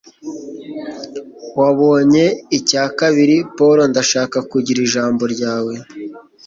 Wabonye icya kabiri, Paul? Ndashaka kugira ijambo nawe